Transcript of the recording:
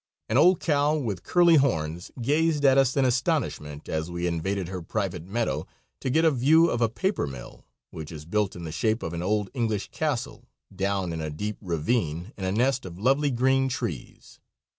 An old cow with curly horns gazed at us in astonishment as we invaded her private meadow to get a view of a paper mill, which is built in the shape of an old English castle, down in a deep ravine in a nest of lovely green trees.